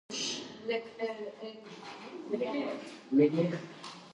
პოპულარულია თხილამურებით სრიალის მოყვარულთა შორის.